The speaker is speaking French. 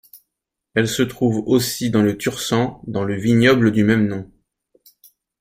Elle se trouve aussi dans le Tursan dans le vignoble du même nom.